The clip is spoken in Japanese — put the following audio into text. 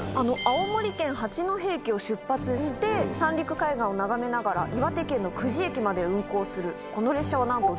青森県八戸駅を出発して三陸海岸を眺めながら岩手県の久慈駅まで運行するこの列車はなんと。